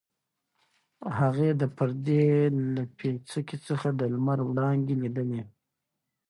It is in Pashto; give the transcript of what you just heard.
هغې د پردې له پیڅکې څخه د لمر وړانګې لیدلې.